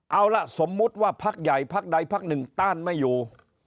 เอาล่ะสมมุติว่าพักใหญ่พักใดพักหนึ่งต้านไม่อยู่